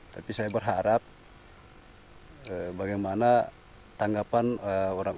tapi saya berharap bagaimana tanggapan orang